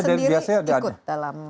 sambil sendiri ikut dalam